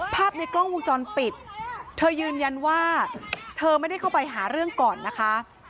ภาพในกล้องวงจรปิดเธอยืนยันว่าเธอไม่ได้เข้าไปหาเรื่องก่อนนะคะ